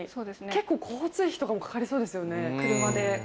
結構交通費とかもかかりそうですよね。